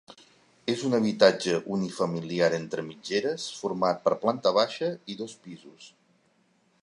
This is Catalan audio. És un habitatge unifamiliar entre mitgeres, format per planta baixa i dos pisos.